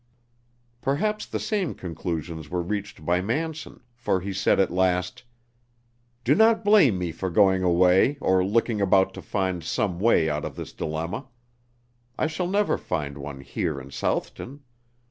Perhaps the same conclusions were reached by Manson, for he said at last: "Do not blame me for going away or looking about to find some way out of this dilemma. I shall never find one here in Southton.